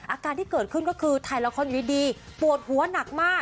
อาการที่เกิดขึ้นก็คือถ่ายละครอยู่ดีปวดหัวหนักมาก